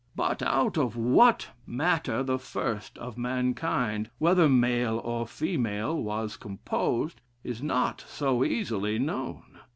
'But out of what matter the first of mankind, whether, male or female, was composed, is not so easily known.